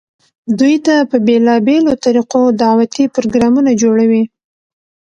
دوي ته په بيلابيلو طريقودعوتي پروګرامونه جوړووي،